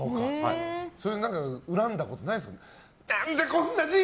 それで恨んだことないですか？